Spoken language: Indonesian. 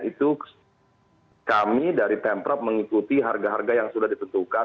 itu kami dari pemprov mengikuti harga harga yang sudah ditentukan